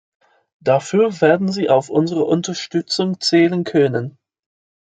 Dafür werden Sie auf unsere Unterstützung zählen können.